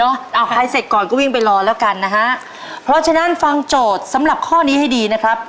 เอาใครเสร็จก่อนก็วิ่งไปรอแล้วกันนะฮะเพราะฉะนั้นฟังโจทย์สำหรับข้อนี้ให้ดีนะครับ